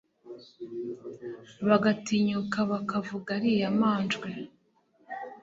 bagatinyuka bakavuga ariya manjwe